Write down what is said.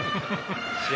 試合